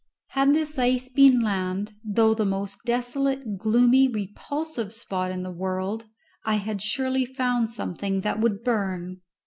Had this ice been land, though the most desolate, gloomy, repulsive spot in the world, I had surely found something that would burn.